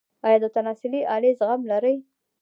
ایا د تناسلي آلې زخم لرئ؟